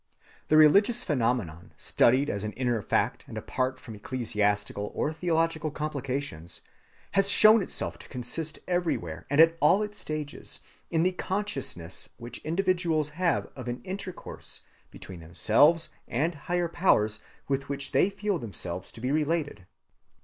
The religious phenomenon, studied as an inner fact, and apart from ecclesiastical or theological complications, has shown itself to consist everywhere, and at all its stages, in the consciousness which individuals have of an intercourse between themselves and higher powers with which they feel themselves to be related.